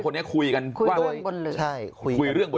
คุยเรื่องบนเรือ